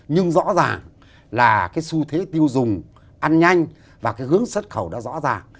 nhưng rõ ràng là cái xu thế tiêu dùng ăn nhanh và cái hướng xuất khẩu đã rõ ràng